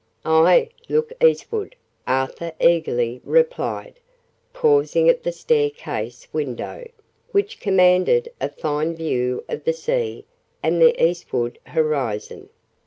"Aye, look Eastward!" Arthur eagerly replied, pausing at the stair case window, which commanded a fine view of the sea and the eastward horizon.